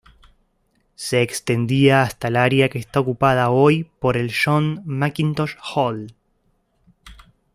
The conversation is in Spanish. Se extendía hasta el área que está ocupada hoy por el John Mackintosh Hall.